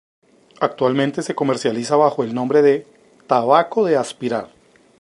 Actualmente se comercializa bajo el nombre de "tabaco de aspirar".